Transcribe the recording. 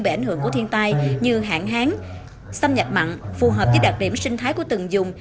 bị ảnh hưởng của thiên tai như hạn hán xâm nhập mặn phù hợp với đặc điểm sinh thái của từng dùng